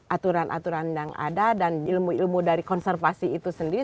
aturan aturan yang ada dan ilmu ilmu dari konservasi itu sendiri